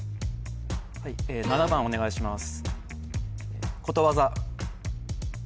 はい７番お願いします